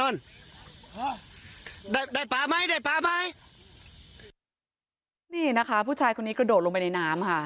นี่นะคะผู้ชายคนนี้กระโดดลงไปในน้ำค่ะ